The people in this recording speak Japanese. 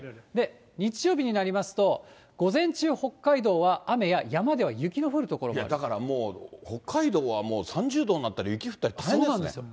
日曜日になりますと、午前中、北海道は雨や、だからもう、北海道はもう３０度になったり、雪降ったり、そうなんですよ。